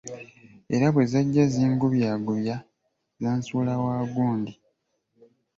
Era bwe zajja zingubyaggubya zansuula wa gundi.